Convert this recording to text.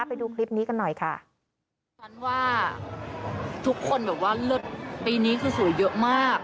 ไปดูคลิปนี้กันหน่อยค่ะฝันว่าทุกคนแบบว่าเลิศปีนี้คือสวยเยอะมาก